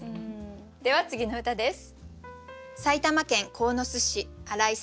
では次の歌です。